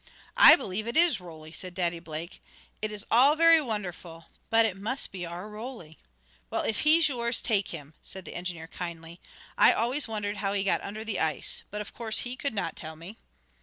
"I believe it is Roly," said Daddy Blake. "It is all very wonderful, but it must be our Roly." "Well, if he's yours, take him," said the engineer kindly. "I always wondered how he got under the ice. But of course he could not tell me."